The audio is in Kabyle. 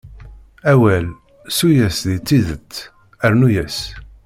Awal, ssu-yas di tidet, rrnu-yas.